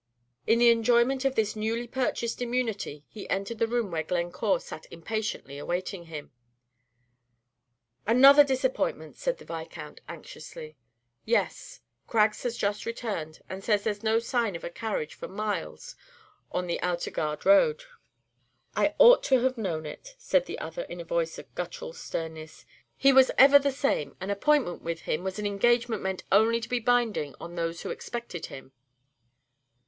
In the enjoyment of this newly purchased immunity he entered the room where Glencore sat impatiently awaiting him. "Another disappointment!" said the Viscount, anxiously. "Yes; Craggs has just returned, and says there's no sign of a carriage for miles on the Oughterard road." "I ought to have known it," said the other, in a voice of guttural sternness. "He was ever the same; an appointment with him was an engagement meant only to be binding on those who expected him."